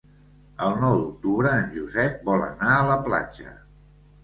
El nou d'octubre en Josep vol anar a la platja.